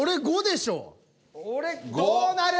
俺５なる？